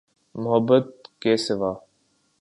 محبت کے سوا۔